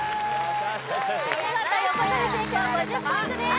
お見事横取り成功５０ポイントです